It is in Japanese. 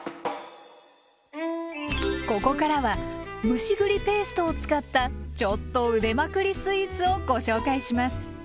ここからは蒸し栗ペーストを使ったちょっと腕まくりスイーツをご紹介します。